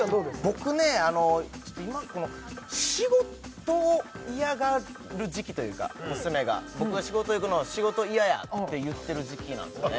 僕ねちょっと今この仕事を嫌がる時期というか娘が僕が仕事行くのを仕事嫌やって言ってる時期なんですね